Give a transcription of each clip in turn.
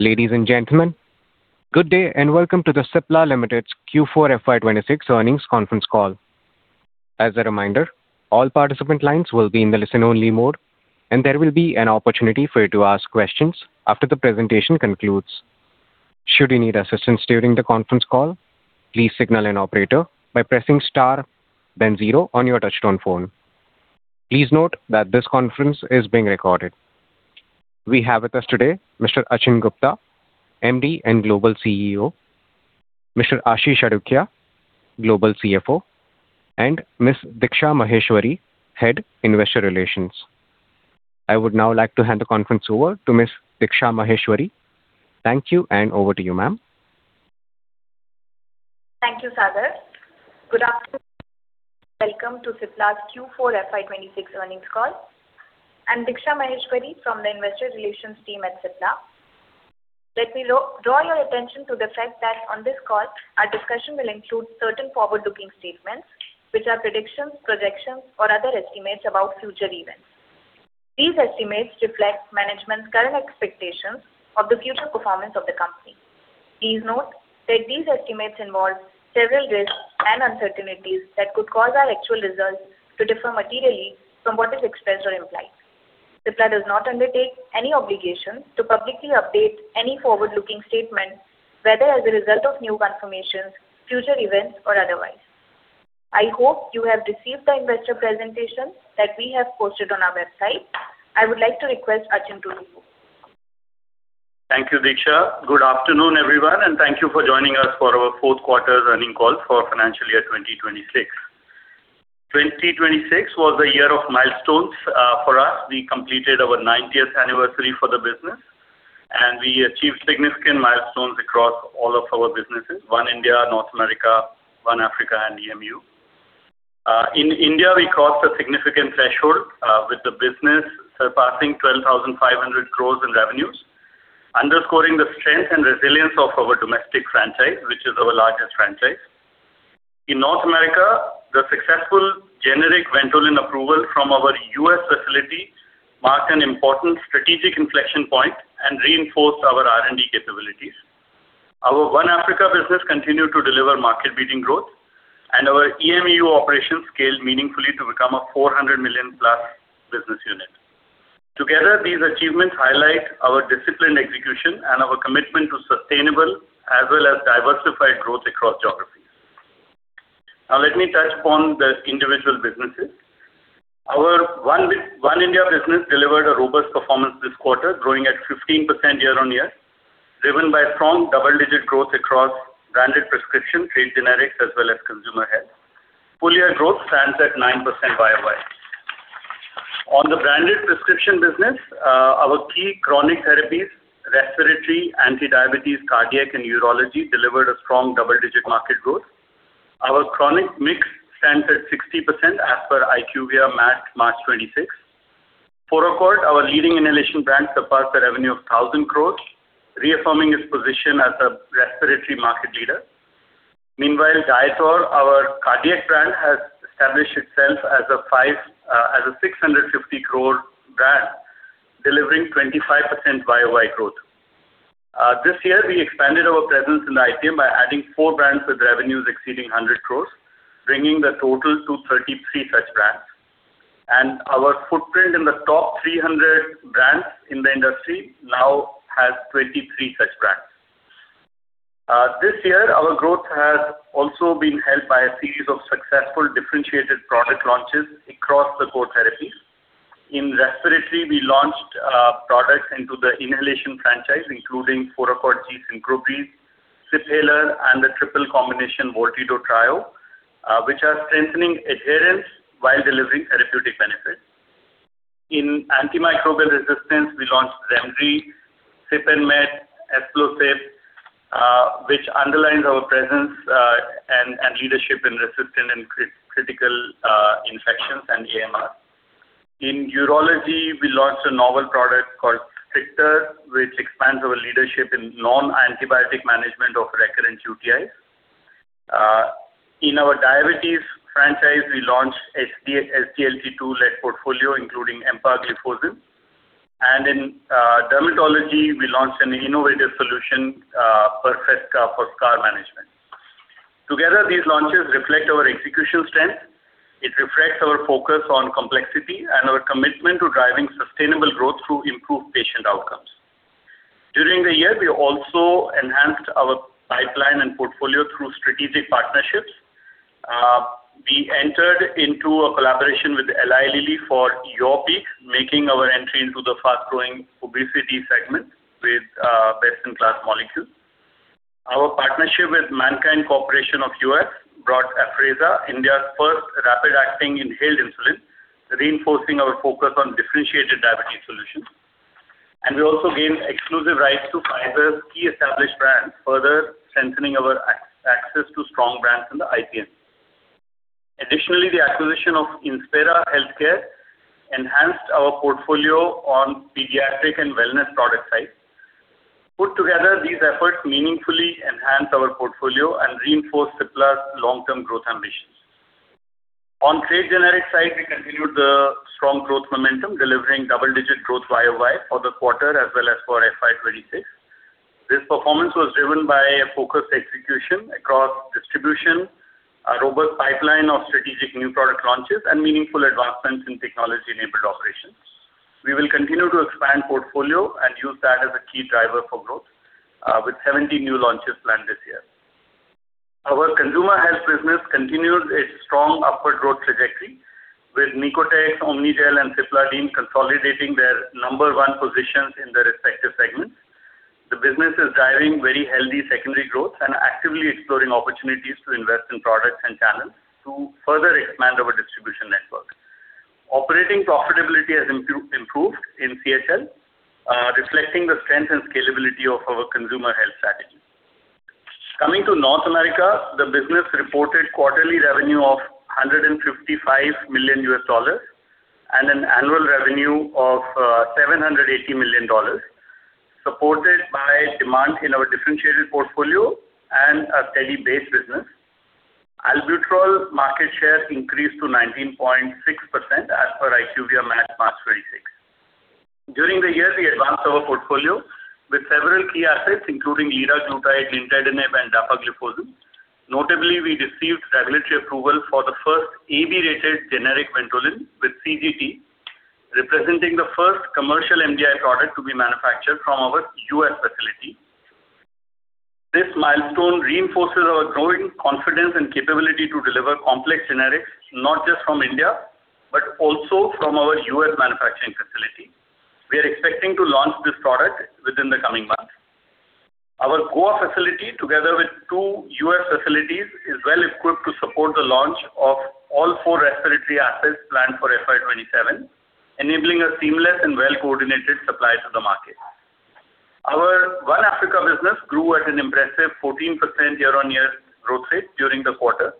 Ladies and gentlemen, good day and welcome to the Cipla Limited's Q4 FY 2026 earnings conference call. As a reminder, all participant lines will be in the listen-only mode, and there will be an opportunity for you to ask questions after the presentation concludes. Should you need assistance during the conference call, please signal an operator by pressing star then zero on your touchtone phone. Please note that this conference is being recorded. We have with us today Mr. Achin Gupta, MD and Global CEO, Mr. Ashish Adukia, Global CFO, and Ms. Diksha Maheshwari, Head, Investor Relations. I would now like to hand the conference over to Ms. Diksha Maheshwari. Thank you and over to you ma'am. Thank you Sagar. Good afternoon. Welcome to Cipla's Q4 FY 2026 earnings call. I'm Diksha Maheshwari from the Investor Relations team at Cipla. Let me draw your attention to the fact that on this call, our discussion will include certain forward-looking statements which are predictions, projections, or other estimates about future events. These estimates reflect management's current expectations of the future performance of the company. Please note that these estimates involve several risks and uncertainties that could cause our actual results to differ materially from what is expressed or implied. Cipla does not undertake any obligation to publicly update any forward-looking statement, whether as a result of new confirmations, future events, or otherwise. I hope you have received the investor presentation that we have posted on our website. I would like to request Achin to report. Thank you Diksha. Good afternoon everyone, and thank you for joining us for our fourth quarter earnings call for financial year 2026. 2026 was a year of milestones for us. We completed our 90th anniversary for the business, and we achieved significant milestones across all of our businesses, One India, North America, One Africa, and EMEU. In India, we crossed a significant threshold with the business surpassing 12,500 crores in revenues, underscoring the strength and resilience of our domestic franchise, which is our largest franchise. In North America, the successful generic Ventolin approval from our U.S. facility marked an important strategic inflection point and reinforced our R&D capabilities. Our One Africa business continued to deliver market-leading growth, and our EMEU operations scaled meaningfully to become an 400 million-plus business unit. Together, these achievements highlight our disciplined execution and our commitment to sustainable as well as diversified growth across geographies. Let me touch upon the individual businesses. Our One India business delivered a robust performance this quarter, growing at 15% year-on-year, driven by strong double-digit growth across branded prescription, trade generics, as well as consumer health. Full year growth stands at 9% year-on-year. On the branded prescription business, our key chronic therapies, respiratory, anti-diabetes, cardiac, and urology delivered a strong double-digit market growth. Our chronic mix stands at 60% as per IQVIA MAT, March 26. Foracort, our leading inhalation brand, surpassed a revenue of 1,000 crores, reaffirming its position as a respiratory market leader. Our cardiac brand, has established itself as an 650 crore brand, delivering 25% year-on-year growth. This year we expanded our presence in the IPM by adding four brands with revenues exceeding 100 crores, bringing the total to 33 such brands. Our footprint in the top 300 brands in the industry now has 23 such brands. This year our growth has also been helped by a series of successful differentiated product launches across the core therapies. In respiratory, we launched products into the inhalation franchise, including Foracort G Syncrobreathe, Ciphaler, and the triple combination Vilterio Trio, which are strengthening adherence while delivering therapeutic benefits. In antimicrobial resistance, we launched ZEMDRI, Sipandmet, Esplusip, which underlines our presence and leadership in resistant and critical infections and AMR. In urology, we launched a novel product called HUENA, which expands our leadership in non-antibiotic management of recurrent UTIs. In our diabetes franchise, we launched SGLT2-led portfolio, including empagliflozin. In dermatology, we launched an innovative solution, Pirfesca, for scar management. Together, these launches reflect our execution strength. It reflects our focus on complexity and our commitment to driving sustainable growth through improved patient outcomes. During the year, we also enhanced our pipeline and portfolio through strategic partnerships. We entered into a collaboration with Eli Lilly for Yurpeak, making our entry into the fast-growing obesity segment with best-in-class molecules. Our partnership with MannKind Corporation of U.S. brought Afrezza, India's first rapid-acting inhaled insulin, reinforcing our focus on differentiated diabetes solutions. We also gained exclusive rights to Pfizer's key established brands, further strengthening our access to strong brands in the IPM. Additionally, the acquisition of Inzpera Healthsciences enhanced our portfolio on pediatric and wellness product types. Put together, these efforts meaningfully enhance our portfolio and reinforce Cipla's long-term growth ambitions. Trade generic side, we continued the strong growth momentum, delivering double-digit growth year-over-year for the quarter as well as for FY 2026. This performance was driven by a focused execution across distribution, a robust pipeline of strategic new product launches, and meaningful advancements in technology-enabled operations. We will continue to expand portfolio and use that as a key driver for growth, with 70 new launches planned this year. Our consumer health business continues its strong upward growth trajectory with Nicotex, Omnigel and Cipladine consolidating their number one positions in their respective segments. The business is driving very healthy secondary growth and actively exploring opportunities to invest in products and channels to further expand our distribution network. Operating profitability has improved in CHL, reflecting the strength and scalability of our consumer health strategy. Coming to North America, the business reported quarterly revenue of $155 million and an annual revenue of $780 million, supported by demand in our differentiated portfolio and a steady base business. Albuterol market share increased to 19.6% as per IQVIA Math March 26. During the year, we advanced our portfolio with several key assets, including liraglutide, lixisenatide, and dapagliflozin. Notably, we received regulatory approval for the first AB-rated generic Ventolin with CGT, representing the first commercial MDI product to be manufactured from our U.S. facility. This milestone reinforces our growing confidence and capability to deliver complex generics, not just from India, but also from our U.S. manufacturing facility. We are expecting to launch this product within the coming months. Our Goa facility, together with two U.S. facilities, is well-equipped to support the launch of all four respiratory assets planned for FY 2027, enabling a seamless and well-coordinated supply to the market. Our One Africa business grew at an impressive 14% year-on-year growth rate during the quarter,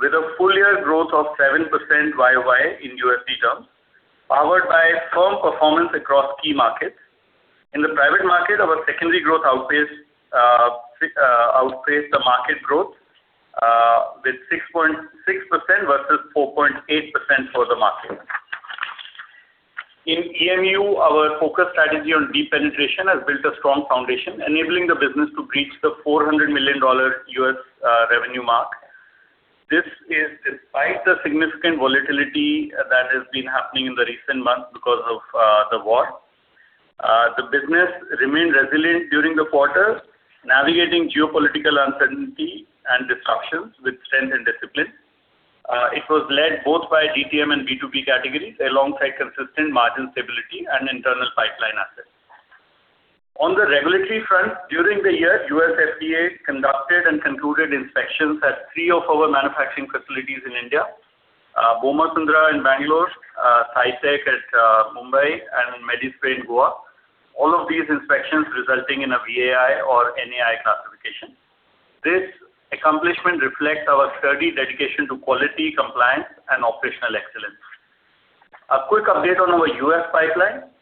with a full-year growth of 7% year-over-year in USD terms, powered by strong performance across key markets. In the private market, our secondary growth outpaced the market growth with 6.6% versus 4.8% for the market. In EMEU, our focus strategy on deep penetration has built a strong foundation, enabling the business to breach the $400 million U.S. revenue mark. This is despite the significant volatility that has been happening in the recent months because of the war. The business remained resilient during the quarter, navigating geopolitical uncertainty and disruptions with strength and discipline. It was led both by GTM and B2B categories, alongside consistent margin stability and internal pipeline assets. On the regulatory front, during the year, U.S. FDA conducted and concluded inspections at three of our manufacturing facilities in India, Bommasandra in Bangalore, Sitec at Mumbai, and Medispray in Goa. All of these inspections resulting in a VAI or NAI classification. This accomplishment reflects our sturdy dedication to quality, compliance, and operational excellence. A quick update on our U.S. pipeline.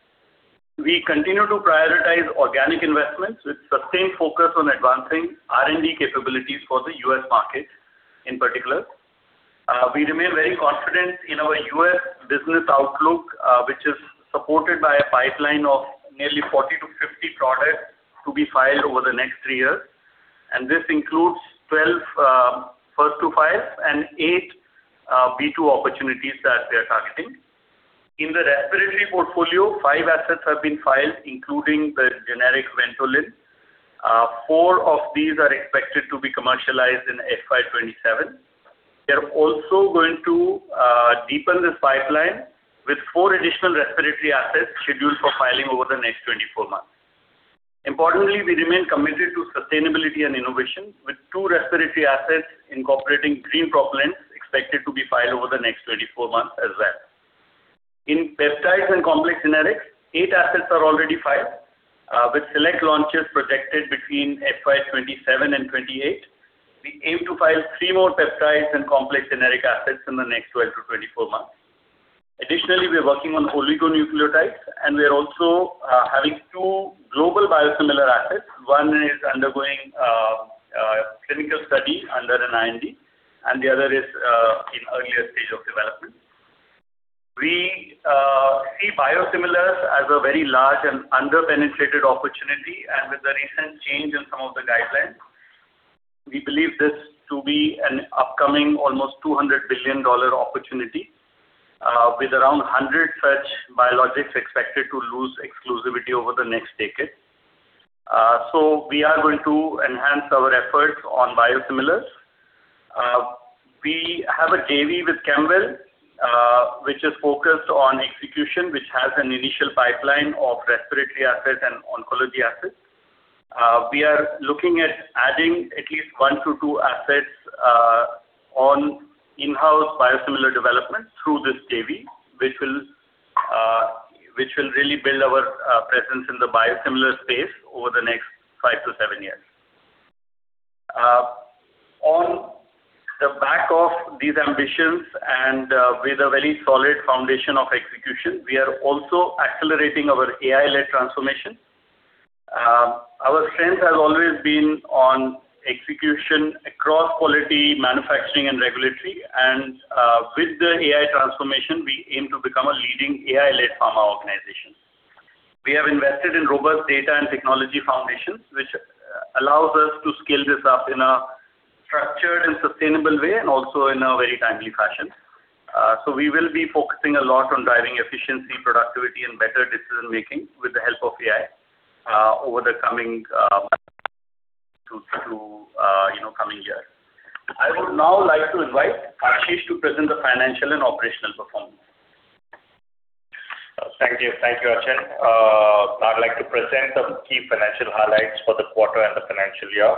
We continue to prioritize organic investments with sustained focus on advancing R&D capabilities for the U.S. market in particular. We remain very confident in our U.S. business outlook, which is supported by a pipeline of nearly 40 to 50 products to be filed over the next three years, and this includes 12 first-to-files and 8 B2 opportunities that we are targeting. In the respiratory portfolio, five assets have been filed, including the generic Ventolin. Four of these are expected to be commercialized in FY 2027. We are also going to deepen this pipeline with four additional respiratory assets scheduled for filing over the next 24 months. Importantly, we remain committed to sustainability and innovation, with two respiratory assets incorporating green propellants expected to be filed over the next 24 months as well. In peptides and complex generics, eight assets are already filed, with select launches projected between FY 2027 and 2028. We aim to file three more peptides and complex generic assets in the next 12-24 months. Additionally, we are working on oligonucleotides, and we are also having two global biosimilar assets. One is undergoing clinical study under an IND, and the other is in earlier stage of development. We see biosimilars as a very large and under-penetrated opportunity, and with the recent change in some of the guidelines, we believe this to be an upcoming almost $200 billion opportunity, with around 100 such biologics expected to lose exclusivity over the next decade. We are going to enhance our efforts on biosimilars. We have a JV with Kemwell, which is focused on execution, which has an initial pipeline of respiratory assets and oncology assets. We are looking at adding at least 1 to 2 assets on in-house biosimilar development through this JV, which will really build our presence in the biosimilar space over the next 5 to 7 years. On the back of these ambitions and with a very solid foundation of execution, we are also accelerating our AI-led transformation. Our strength has always been on execution across quality manufacturing and regulatory. With the AI transformation, we aim to become a leading AI-led pharma organization. We have invested in robust data and technology foundations, which allows us to scale this up in a structured and sustainable way, and also in a very timely fashion. We will be focusing a lot on driving efficiency, productivity and better decision-making with the help of AI over the coming two, you know, coming years. I would now like to invite Ashish to present the financial and operational performance. Thank you. Thank you Achin. I'd like to present the key financial highlights for the quarter and the financial year.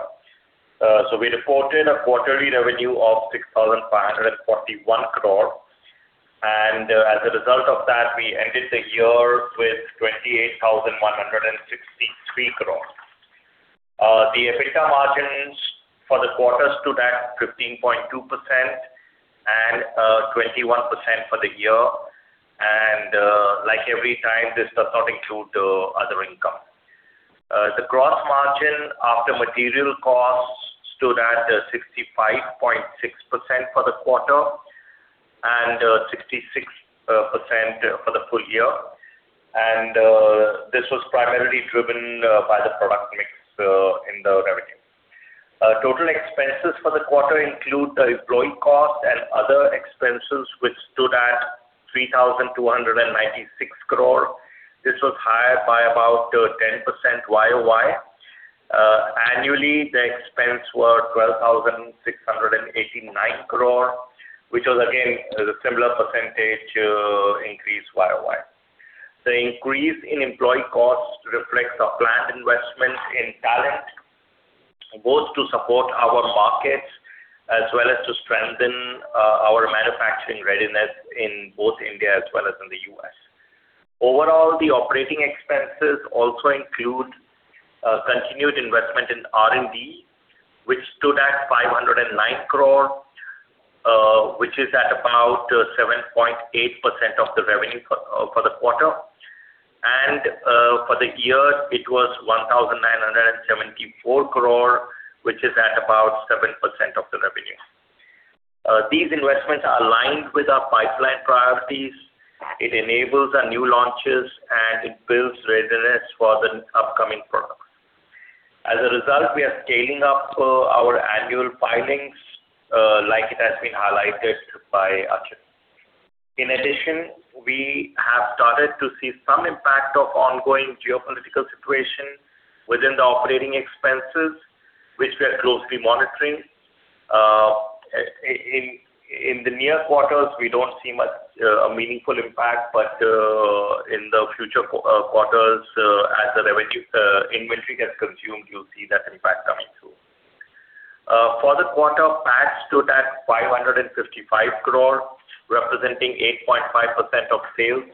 We reported a quarterly revenue of 6,541 crore. As a result of that, we ended the year with 28,163 crore. The EBITDA margins for the quarter stood at 15.2% and 21% for the year. Like every time, this does not include the other income. The gross margin after material costs stood at 65.6% for the quarter and 66% for the full year. This was primarily driven by the product mix in the revenue. Total expenses for the quarter include the employee costs and other expenses, which stood at 3,296 crore. This was higher by about 10% year-over-year. Annually, the expense were 12,689 crore, which was again the similar percentage increase year-over-year. The increase in employee costs reflects our planned investment in talent, both to support our markets as well as to strengthen our manufacturing readiness in both India as well as in the U.S. Overall, the operating expenses also include continued investment in R&D, which stood at 509 crore, which is at about 7.8% of the revenue for the quarter. For the year, it was 1,974 crore, which is at about 7% of the revenue. These investments are aligned with our pipeline priorities. It enables our new launches, and it builds readiness for the upcoming products. As a result, we are scaling up our annual filings, like it has been highlighted by Achin. In addition, we have started to see some impact of ongoing geopolitical situation within the operating expenses, which we are closely monitoring. In the near quarters, we don't see much a meaningful impact. In the future quarters, as the revenue inventory gets consumed, you'll see that impact coming through. For the quarter, PAT stood at 555 crore, representing 8.5% of sales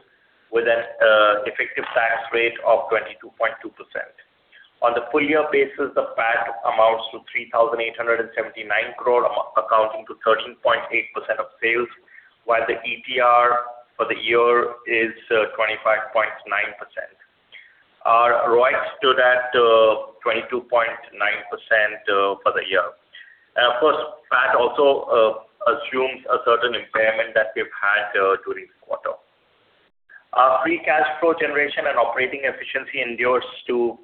with an effective tax rate of 22.2%. On the full year basis, the PAT amounts to 3,879 crore, accounting to 13.8% of sales, while the ETR for the year is 25.9%. Our ROIC stood at 22.9% for the year. Of course, PAT also assumes a certain impairment that we've had during the quarter. Our free cash flow generation and operating efficiency endures to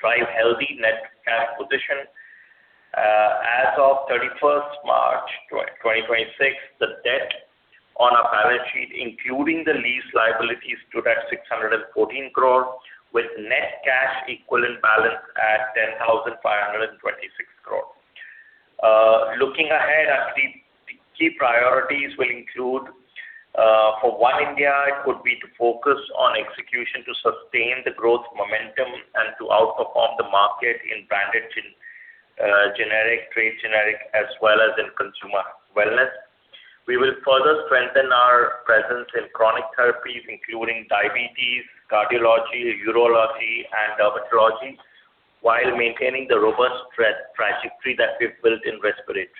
drive healthy net cash position. As of 31st March 2026, the debt on our balance sheet, including the lease liabilities, stood at 614 crore, with net cash equivalent balance at 10,526 crore. Looking ahead, our key priorities will include, for One India, it would be to focus on execution to sustain the growth momentum and to outperform the market in branded generic, trade generic, as well as in consumer wellness. We will further strengthen our presence in chronic therapies, including diabetes, cardiology, urology and dermatology, while maintaining the robust trajectory that we've built in respiratory.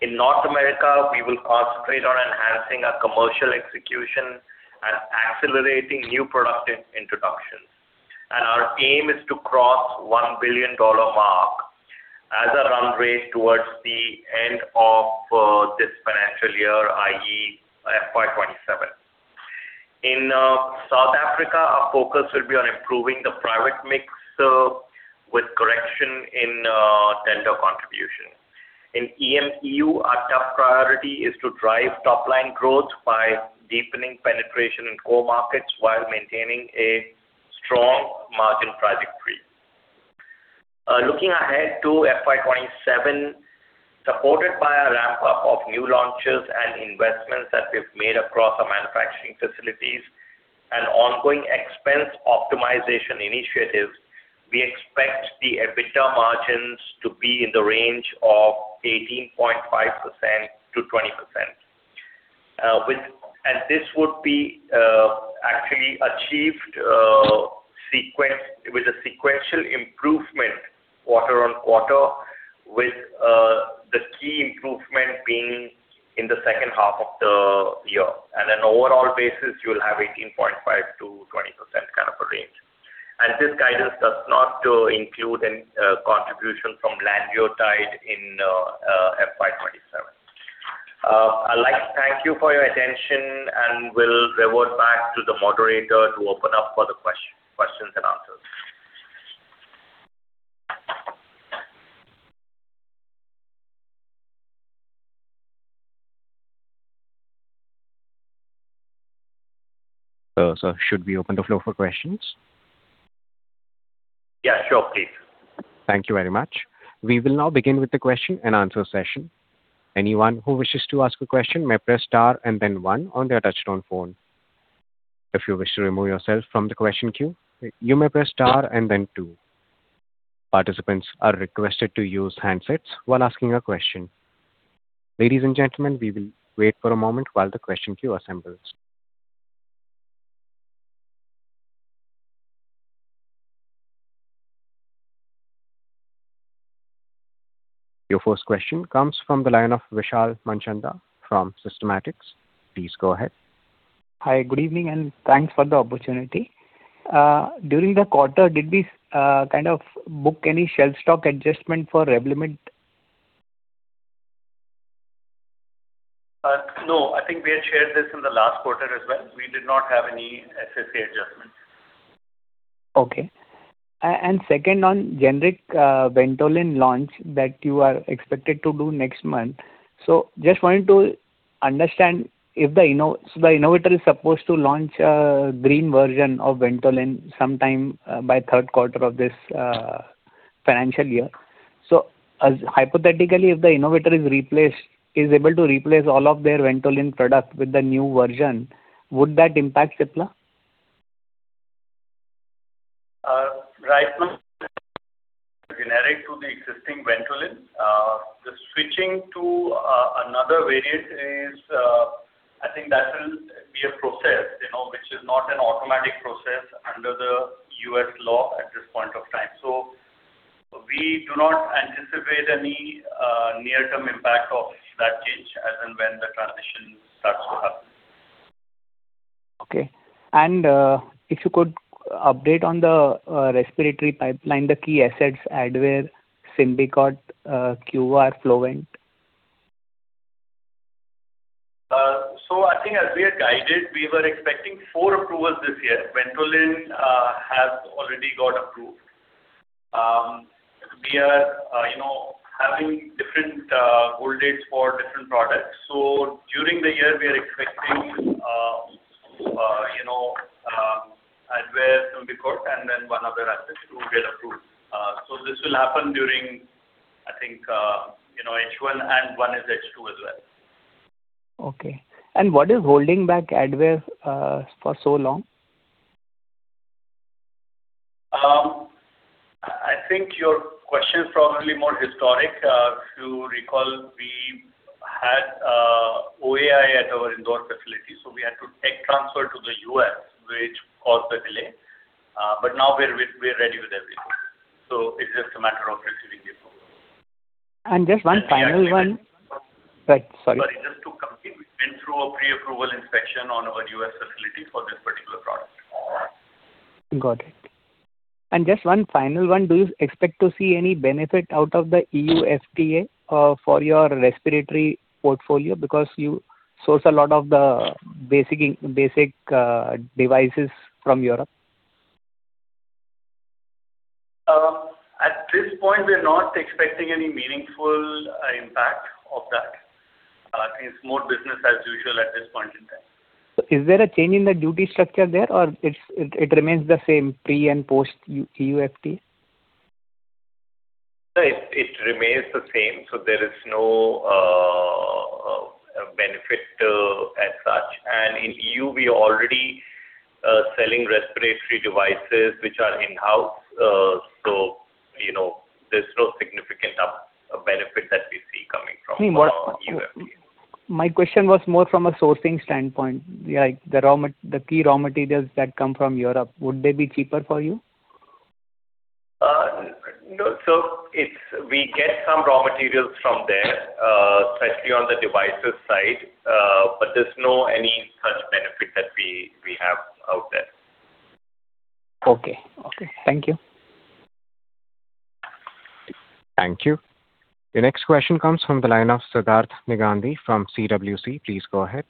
In North America, we will concentrate on enhancing our commercial execution and accelerating new product introductions. Our aim is to cross $1 billion mark as a run rate towards the end of this financial year, i.e., FY 2027. In South Africa, our focus will be on improving the private mix with correction in tender contribution. In EMEU, our top priority is to drive top line growth by deepening penetration in core markets while maintaining a strong margin trajectory. Looking ahead to FY 2027, supported by a ramp-up of new launches and investments that we've made across our manufacturing facilities and ongoing expense optimization initiatives, we expect the EBITDA margins to be in the range of 18.5%-20%. This would be actually achieved with a sequential improvement quarter on quarter. Being in the second half of the year. An overall basis, you'll have 18.5%-20% kind of a range. This guidance does not include any contribution from lanreotide in FY 2027. I'd like to thank you for your attention, and we'll revert back to the moderator to open up for the questions and answers. Should we open the floor for questions? Yeah, sure. Please. Thank you very much. We will now begin with the question and answer session. Anyone who wishes to ask a question may press star and then one on their cellphone. If you wish to remove yourself from the question queue you may press star and then two. I'd request we use the handset when asking the question. Ladies and gentlemen hold on for a moment as we assemble the questions. Your first question comes from the line of Vishal Manchanda from Systematix. Please go ahead. Hi good evening and thanks for the opportunity. During the quarter, did we kind of book any shelf stock adjustment for REVLIMID? No. I think we had shared this in the last quarter as well. We did not have any SSA adjustments. Okay. Second, on generic Ventolin launch that you are expected to do next month. Just wanted to understand if the innovator is supposed to launch a green version of Ventolin sometime by third quarter of this financial year. As hypothetically, if the innovator is able to replace all of their Ventolin product with the new version, would that impact Cipla? Right now, generic to the existing Ventolin. The switching to another variant is, I think that will be a process, you know, which is not an automatic process under the U.S. law at this point of time. We do not anticipate any near-term impact of that change as and when the transition starts to happen. Okay. If you could update on the respiratory pipeline, the key assets, ADVAIR, SYMBICORT, QVAR, Flovent. I think as we had guided, we were expecting four approvals this year. Ventolin has already got approved. We are, you know, having different goal dates for different products. During the year, we are expecting, you know, ADVAIR, SYMBICORT, and then one other asset to get approved. This will happen during, I think, you know, H1 and one is H2 as well. Okay. What is holding back ADVAIR for so long? I think your question is probably more historic. If you recall, we had OAI at our Indore facility, so we had to tech transfer to the U.S., which caused the delay. Now we're ready with everything. It's just a matter of receiving the approval. Just one final one. And we are actually- Right. Sorry. We are even to complete. We've been through a pre-approval inspection on our U.S. facility for this particular product. Got it. Just one final one. Do you expect to see any benefit out of the EU FTA for your respiratory portfolio? Because you source a lot of the basic devices from Europe. At this point, we are not expecting any meaningful impact of that. It's more business as usual at this point in time. Is there a change in the duty structure there or it remains the same pre and post U-EU FTA? No, it remains the same, so there is no benefit as such. In EU, we are already selling respiratory devices which are in-house. You know, there's no significant benefit that we see coming from EU FTA. My question was more from a sourcing standpoint. Like the key raw materials that come from Europe, would they be cheaper for you? no. We get some raw materials from there, especially on the devices side. There's no any such benefit that we have out there. Okay. Okay. Thank you. Thank you. The next question comes from the line of Siddharth Negandhi from CWC. Please go ahead.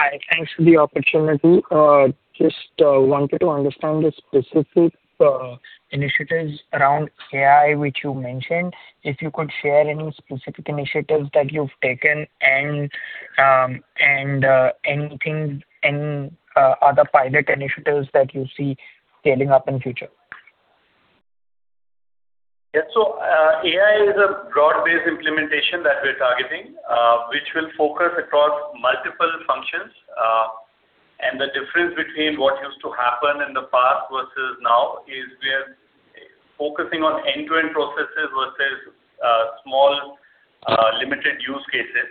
Hi. Thanks for the opportunity. Just wanted to understand the specific initiatives around AI which you mentioned. If you could share any specific initiatives that you've taken and anything, any other pilot initiatives that you see scaling up in future. AI is a broad-based implementation that we're targeting, which will focus across multiple functions. The difference between what used to happen in the past versus now is we are focusing on end-to-end processes versus small, limited use cases.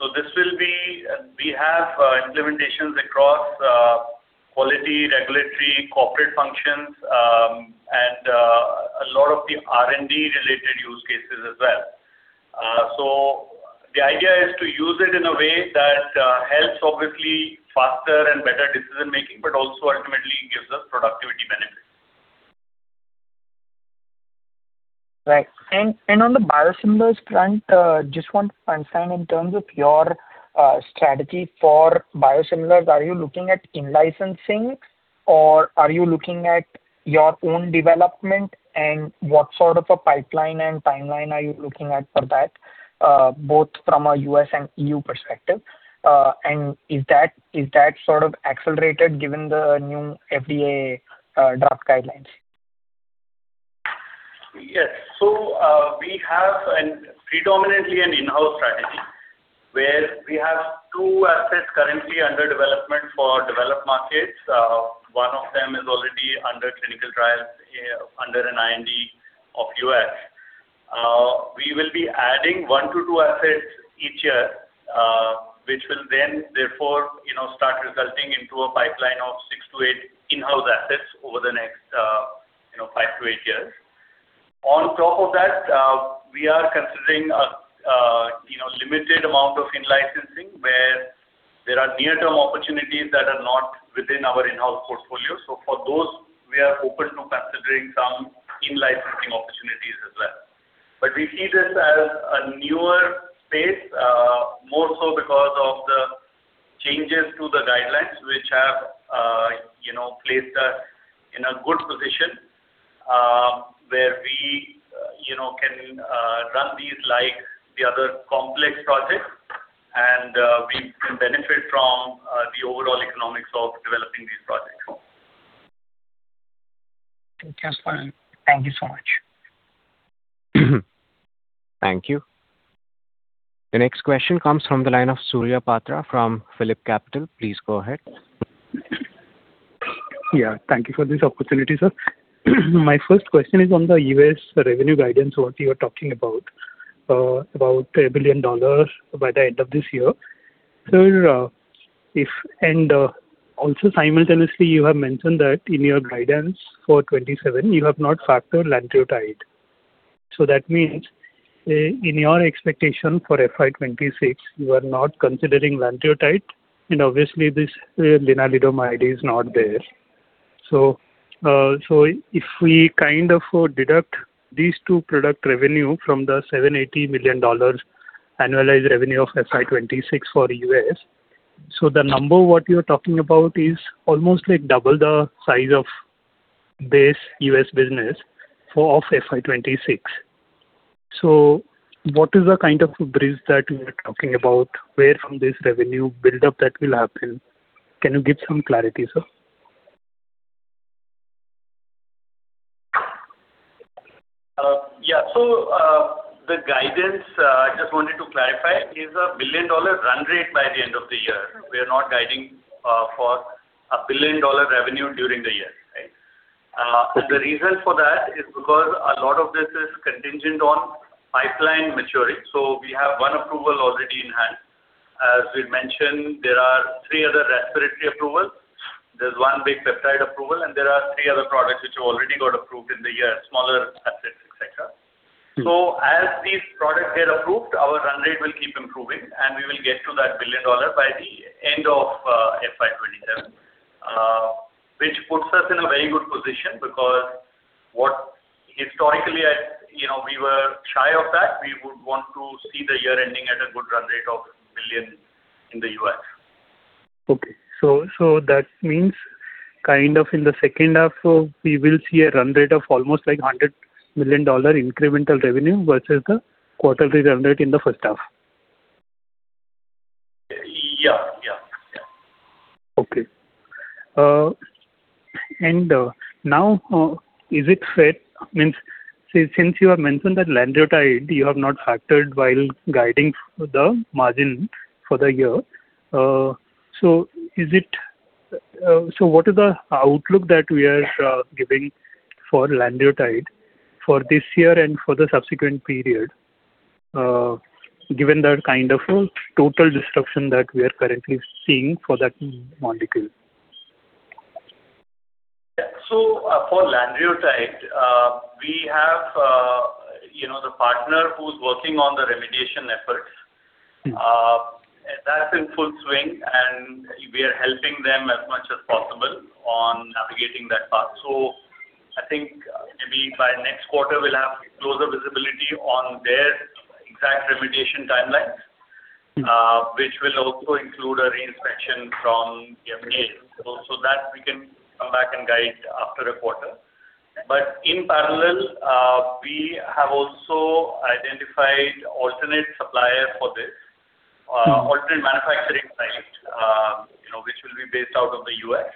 We have implementations across the corporate functions, and a lot of the R&D related use cases as well. The idea is to use it in a way that helps obviously faster and better decision-making, but also ultimately gives us productivity benefits. Right. On the biosimilars front, just want to understand in terms of your strategy for biosimilars, are you looking at in-licensing or are you looking at your own development? What sort of a pipeline and timeline are you looking at for that, both from a U.S. and EU perspective? Is that sort of accelerated given the new FDA draft guidelines? Yes. We have a predominantly in-house strategy, where we have 2 assets currently under development for developed markets. One of them is already under clinical trials under an IND of U.S. We will be adding 1 to 2 assets each year, which will therefore, you know, start resulting into a pipeline of 6 to 8 in-house assets over the next, you know, 5 to 8 years. On top of that, we are considering a, you know, limited amount of in-licensing where there are near-term opportunities that are not within our in-house portfolio. For those, we are open to considering some in-licensing opportunities as well. We see this as a newer space, more so because of the changes to the guidelines which have, you know, placed us in a good position, where we, you know, can run these like the other complex projects and we can benefit from the overall economics of developing these projects as well. Okay, that's fine. Thank you so much. Thank you. The next question comes from the line of Surya Patra from PhillipCapital. Please go ahead. Thank you for this opportunity, sir. My first question is on the U.S. revenue guidance, what you are talking about $1 billion by the end of this year. Sir, also simultaneously you have mentioned that in your guidance for 2027 you have not factored lanreotide. That means, in your expectation for FY 2026 you are not considering lanreotide, and obviously this lanreotide is not there. If we kind of deduct these two product revenue from the $780 million annualized revenue of FY 2026 for U.S., the number what you're talking about is almost like double the size of base U.S. business of FY 2026. What is the kind of bridge that you are talking about, where from this revenue build-up that will happen? Can you give some clarity, sir? The guidance, I just wanted to clarify, is a billion-dollar run rate by the end of the year. We are not guiding for a billion-dollar revenue during the year. Right? The reason for that is because a lot of this is contingent on pipeline maturing. We have one approval already in hand. As we mentioned, there are three other respiratory approvals. There's one big peptide approval, and there are three other products which already got approved in the year, smaller assets, et cetera. As these products get approved, our run rate will keep improving, and we will get to that $1 billion by the end of FY 2027. Which puts us in a very good position because historically, you know, we were shy of that. We would want to see the year ending at a good run rate of $1 billion in the U.S. Okay. That means kind of in the second half, so we will see a run rate of almost like $100 million incremental revenue versus the quarterly run rate in the first half. Yeah. Yeah. Yeah. Okay. Is it fair means, since you have mentioned that lanreotide you have not factored while guiding the margin for the year, what is the outlook that we are giving for lanreotide for this year and for the subsequent period, given the kind of a total disruption that we are currently seeing for that molecule? Yeah. For lanreotide, we have, you know, the partner who's working on the remediation efforts. That's in full swing, and we are helping them as much as possible on navigating that path. I think maybe by next quarter we'll have closer visibility on their exact remediation timelines. Which will also include a re-inspection from the FDA. We can come back and guide after a quarter. In parallel, we have also identified alternate supplier for this. Alternate manufacturing site, you know, which will be based out of the U.S.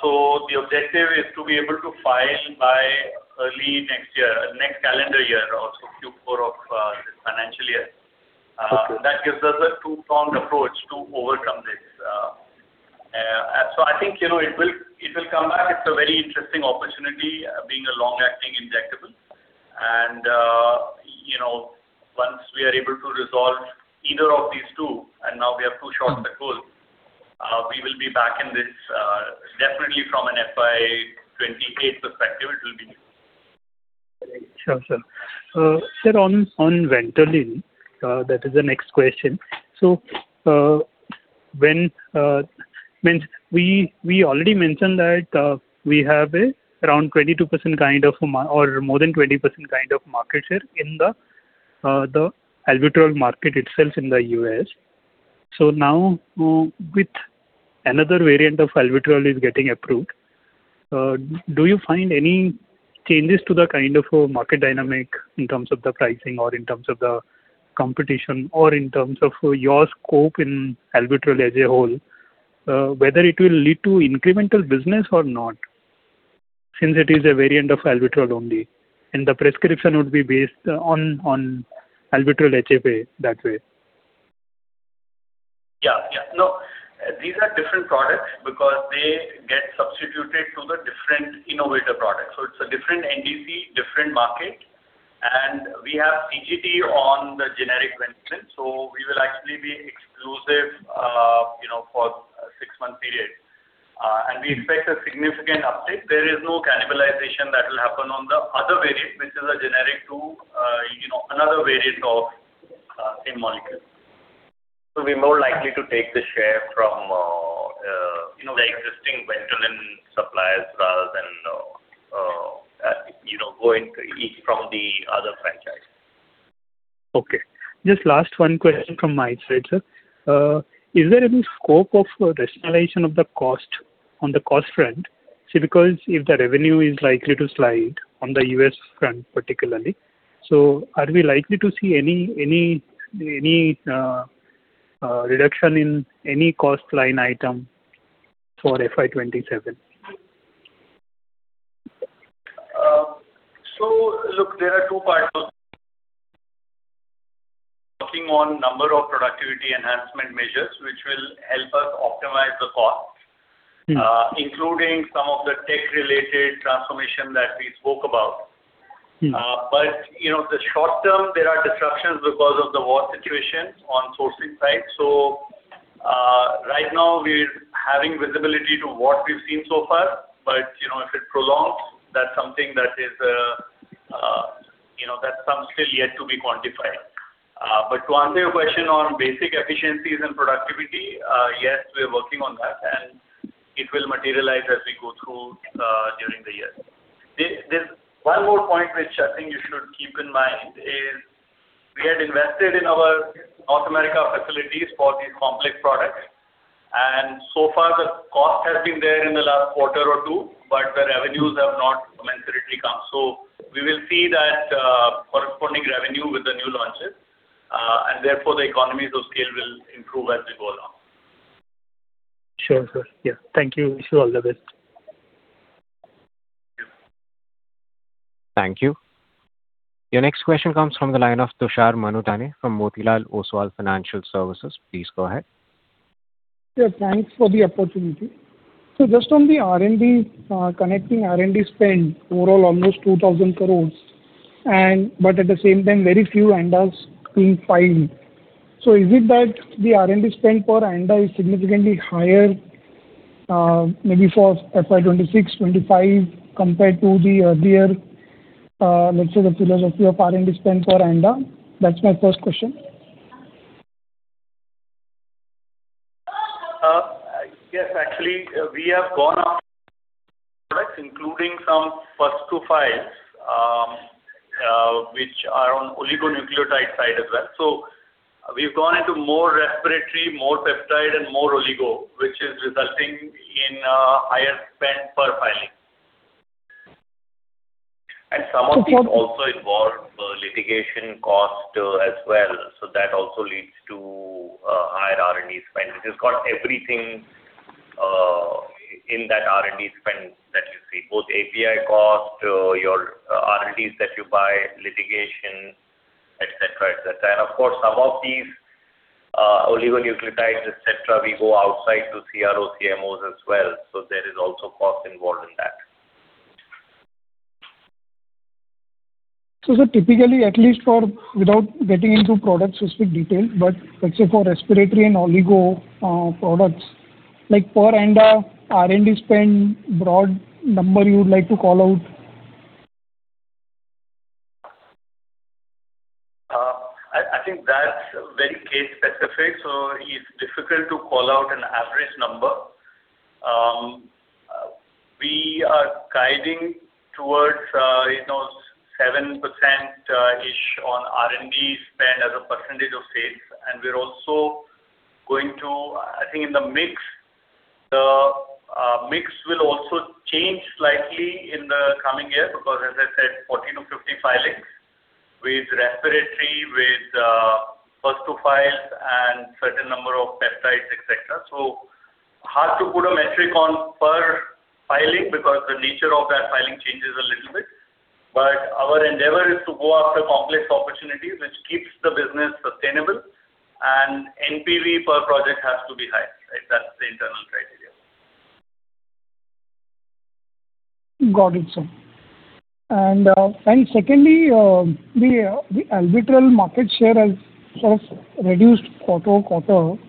The objective is to be able to file by early next year, next calendar year or so, Q4 of this financial year. Okay. That gives us a two-pronged approach to overcome this. I think, you know, it will, it will come back. It's a very interesting opportunity, being a long-acting injectable. You know, once we are able to resolve either of these two, and now we have two shots at goal, we will be back in this, definitely from an FY 2028 perspective, it will be. Sure, sir. Sir, on Ventolin, that is the next question. We already mentioned that we have around 22% kind of or more than 20% kind of market share in the Albuterol market itself in the U.S. Now with another variant of Albuterol is getting approved, do you find any changes to the kind of market dynamic in terms of the pricing or in terms of the competition or in terms of your scope in Albuterol as a whole, whether it will lead to incremental business or not, since it is a variant of Albuterol only, and the prescription would be based on Albuterol HFA that way. Yeah, yeah. No, these are different products because they get substituted to the different innovator products. It's a different NDC, different market, and we have CGT on the generic Ventolin, so we will actually be exclusive, you know, for a 6-month period. We expect a significant uptake. There is no cannibalization that will happen on the other variant, which is a generic to, you know, another variant of same molecule. We're more likely to take the share from, you know, the existing Ventolin suppliers rather than, you know, going to each from the other franchise. Okay. Just last one question from my side, sir. Is there any scope of rationalization of the cost on the cost front? Because if the revenue is likely to slide on the U.S. front, particularly, are we likely to see any reduction in any cost line item for FY 2027? Look, there are two parts. Working on number of productivity enhancement measures, which will help us optimize. Including some of the tech related transformation that we spoke about. You know, the short term, there are disruptions because of the war situation on sourcing side. Right now we're having visibility to what we've seen so far. You know, if it prolongs, that's something that is, you know, still yet to be quantified. To answer your question on basic efficiencies and productivity, yes, we are working on that, and it will materialize as we go through during the year. There's one more point which I think you should keep in mind is we had invested in our North America facilities for these complex products, and so far the cost has been there in the last quarter or two, but the revenues have not commensurately come. We will see that corresponding revenue with the new launches, and therefore the economies of scale will improve as we go along. Sure, sir. Yeah. Thank you. Wish you all the best. Thank you. Your next question comes from the line of Tushar Manudhane from Motilal Oswal Financial Services. Please go ahead. Yeah, thanks for the opportunity. Just on the R&D, connecting R&D spend, overall almost 2,000 crore. At the same time, very few ANDAs being filed. Is it that the R&D spend per ANDA is significantly higher, maybe for FY 2026, 2025, compared to the earlier, let's say the philosophy of R&D spend per ANDA? That's my first question. Yes. Actually, we have gone up products, including some first-to-files, which are on oligonucleotide side as well. We've gone into more respiratory, more peptide and more oligo, which is resulting in higher spend per filing. Some of these also involve litigation cost as well. That also leads to higher R&D spend. It has got everything in that R&D spend that you see, both API cost, your R&Ds that you buy, litigation, et cetera, et cetera. Of course, some of these oligonucleotides, et cetera, we go outside to CRO, CMOs as well. There is also cost involved in that. Sir, typically, at least for, without getting into product specific detail, but let's say for respiratory and oligo products, like per ANDA R&D spend broad number you would like to call out? I think that's very case specific, so it's difficult to call out an average number. We are guiding towards, you know, 7%-ish on R&D spend as a percentage of sales. We're also going to, I think in the mix, the mix will also change slightly in the coming year because as I said, 14-50 filings with respiratory, with first-to-files and certain number of peptides, et cetera. Hard to put a metric on per filing because the nature of that filing changes a little bit. Our endeavor is to go after complex opportunities which keeps the business sustainable and NPV per project has to be high, right? Got it sir. Secondly, the Albuterol market share has sort of reduced quarter-to-quarter,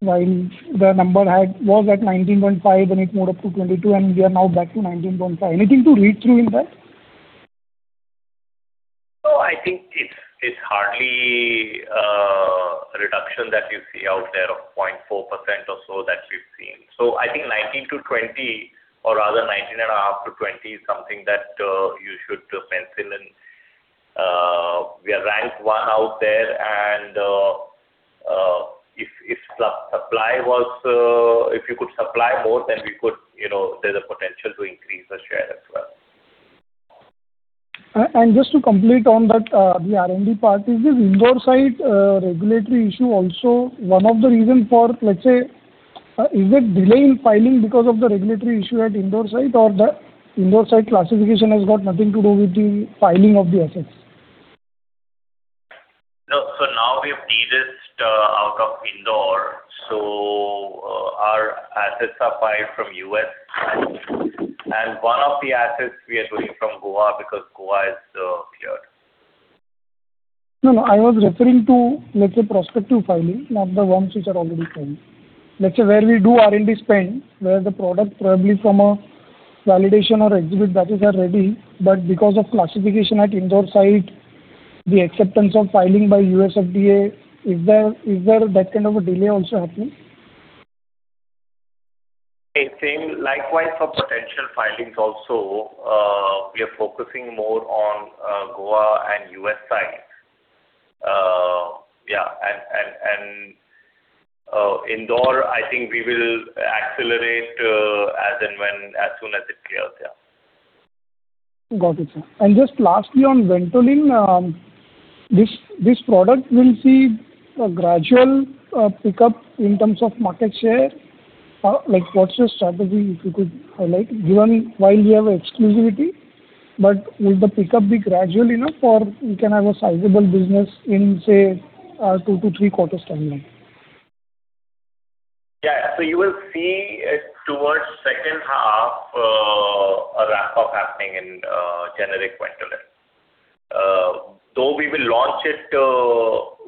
while the number was at 19.5, then it moved up to 22, and we are now back to 19.5. Anything to read through in that? I think it's hardly a reduction that you see out there of 0.4% or so that we've seen. I think 19%-20%, or rather 19.5%-20% is something that you should pencil in. We are ranked 1 out there and if supply was, if you could supply more then we could, you know, there's a potential to increase the share as well. Just to complete on that, the R&D part, is this Indore site regulatory issue also one of the reason for, let's say, is it delay in filing because of the regulatory issue at Indore site or the Indore site classification has got nothing to do with the filing of the assets? No. Now we have de-risked out of Indore, so our assets are filed from U.S. and one of the assets we are doing from Goa because Goa is cleared. No, no, I was referring to, let's say, prospective filing, not the ones which are already filed. Let's say where we do R&D spend, where the product probably from a validation or exhibit batches are ready, but because of classification at Indore site, the acceptance of filing by U.S. FDA, is there that kind of a delay also happening? It's same. Likewise, for potential filings also, we are focusing more on Goa and U.S. sites. Yeah. Indore, I think we will accelerate as and when, as soon as it clears, yeah. Got it, sir. Just lastly on Ventolin, this product will see a gradual pickup in terms of market share? What's your strategy, if you could highlight? Given while we have exclusivity, but will the pickup be gradual enough or we can have a sizable business in, say, 2-3 quarters timeline? Yeah. You will see it towards second half, a ramp up happening in generic Ventolin. Though we will launch it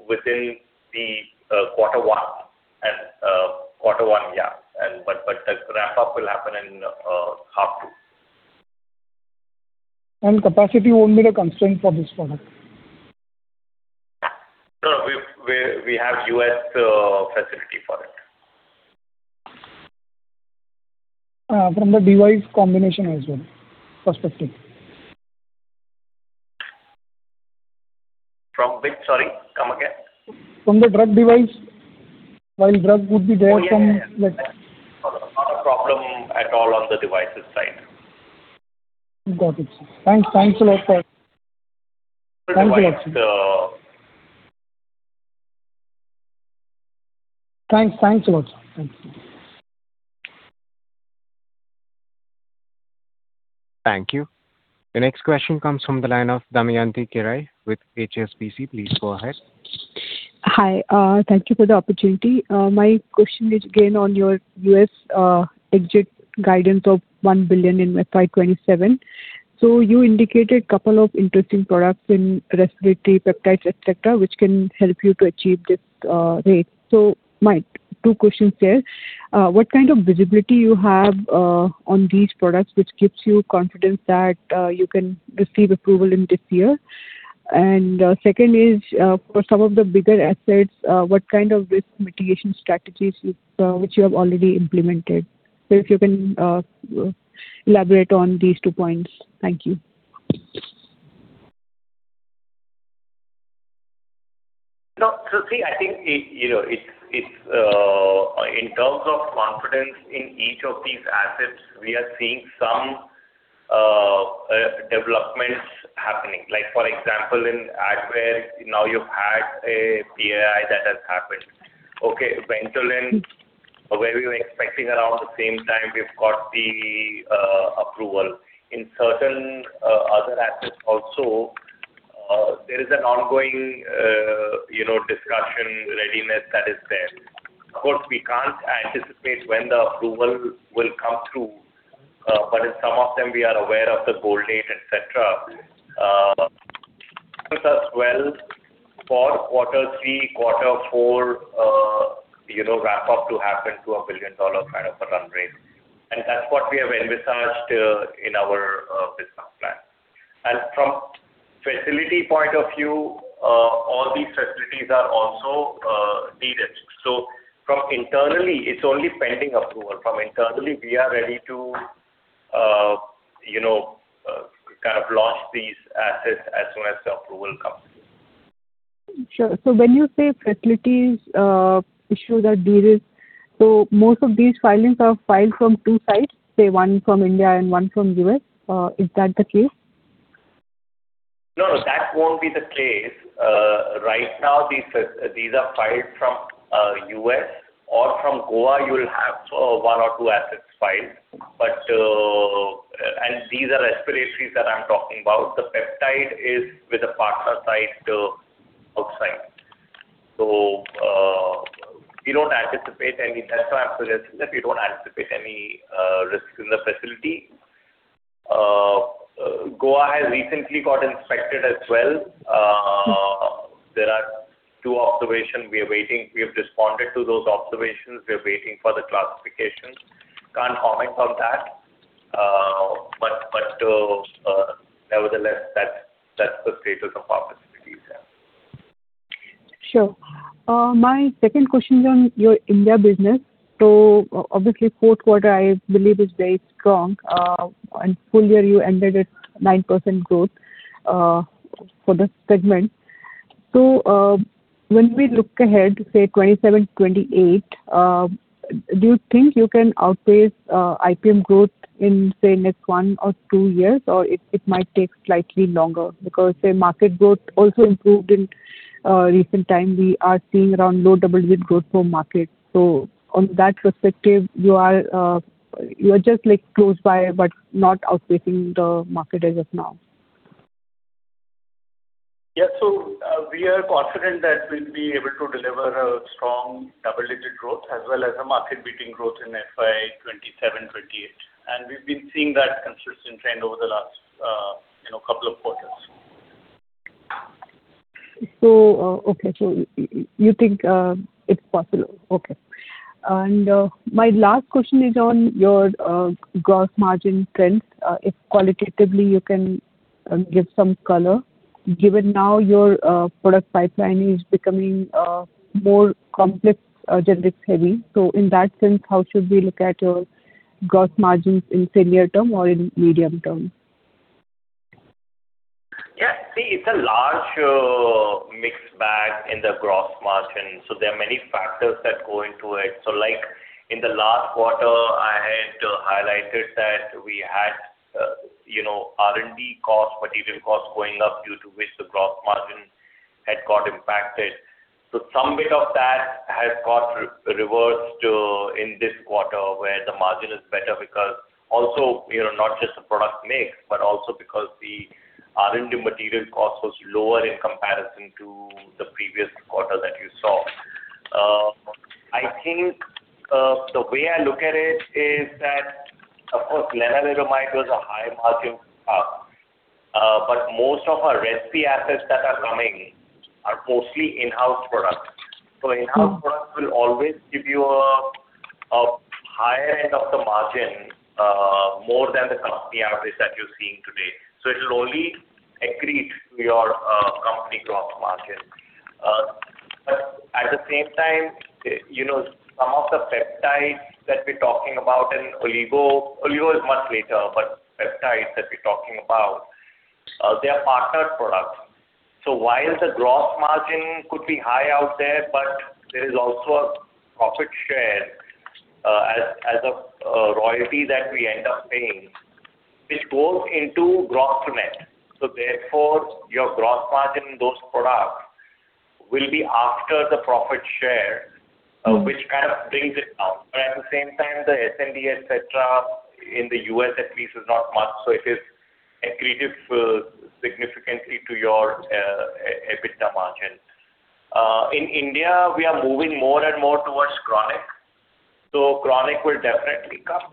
within the quarter one, yeah. But the ramp up will happen in half two. Capacity won't be the constraint for this product? No, we've, we have U.S. facility for it. From the device combination as well, prospective. From which? Sorry. Come again. From the drug device, while drug would be there from like- Oh, yeah. Not a problem at all on the devices side. Got it, sir. Thanks. Thanks a lot for The device, Thanks. Thanks a lot, sir. Thanks. Thank you. The next question comes from the line of Damayanti Kerai with HSBC. Please go ahead. Hi. Thank you for the opportunity. My question is again on your U.S. exit guidance of $1 billion in FY 2027. You indicated couple of interesting products in respiratory peptides, et cetera, which can help you to achieve this rate. My two questions there. What kind of visibility you have on these products which gives you confidence that you can receive approval in this year? Second is for some of the bigger assets, what kind of risk mitigation strategies you which you have already implemented? If you can elaborate on these two points. Thank you. No. See, I think it, you know, it's in terms of confidence in each of these assets, we are seeing some developments happening. Like, for example, in ADVAIR, now you've had a PAI that has happened. Okay, Ventolin, where we were expecting around the same time, we've got the approval. In certain other assets also, there is an ongoing, you know, discussion readiness that is there. Of course, we can't anticipate when the approval will come through, but in some of them we are aware of the goal date, et cetera. Puts us well for quarter three, quarter four, you know, ramp up to happen to a billion-dollar kind of a run rate. That's what we have envisaged in our business plan. From facility point of view, all these facilities are also de-risked. From internally, it's only pending approval. From internally, we are ready to, you know, kind of launch these assets as soon as the approval comes through. Sure. When you say facilities, issues are de-risked. So, most of these filings are filed from two sites, say one from India and one from U.S. Is that the case? No, that won't be the case. Right now these these are filed from U.S. or from Goa, you will have one or two assets filed. These are respiratories that I'm talking about. The peptide is with a partner site. We don't anticipate any. That's why I'm suggesting that we don't anticipate any risk in the facility. Goa has recently got inspected as well. There are two observations we are waiting. We have responded to those observations. We are waiting for the classifications. Can't comment on that. Nevertheless, that's the status of our facilities there. Sure. My second question is on your India business. Obviously fourth quarter I believe is very strong. Full year you ended at 9% growth for this segment. When we look ahead to say 2027, 2028, do you think you can outpace IPM growth in, say, next one or two years, or it might take slightly longer? Market growth also improved in recent time. We are seeing around low double-digit growth for market. On that perspective, you are just like close by but not outpacing the market as of now. Yeah. We are confident that we'll be able to deliver a strong double-digit growth as well as a market-beating growth in FY 2027, 2028. We've been seeing that consistent trend over the last, you know, couple of quarters. Okay. You think it's possible. Okay. My last question is on your gross margin trends. If qualitatively you can give some color. Given now your product pipeline is becoming more complex, generics heavy. In that sense, how should we look at your gross margins in senior term or in medium term? Yeah. See, it's a large, mixed bag in the gross margin. There are many factors that go into it. Like, in the last quarter, I had highlighted that we had, you know, R&D costs, material costs going up due to which the gross margin had got impacted. Some bit of that has got re-reversed in this quarter where the margin is better because also, you know, not just the product mix, but also because the R&D material cost was lower in comparison to the previous quarter that you saw. I think, the way I look at it is that, of course, lenalidomide was a high margin product. Most of our pipeline assets that are coming are mostly in-house products. In-house products will always give you a higher end of the margin, more than the company average that you're seeing today. It'll only accrete to your company gross margin. But at the same time, you know, some of the peptides that we're talking about and Oligo is much later, but peptides that we're talking about, they are partnered products. While the gross margin could be high out there, but there is also a profit share as a royalty that we end up paying, which goes into gross net. Therefore, your gross margin in those products will be after the profit share. which kind of brings it down. At the same time, the S&D, et cetera, in the U.S. at least is not much, so it is accretive significantly to your EBITDA margin. In India, we are moving more and more towards chronic. Chronic will definitely come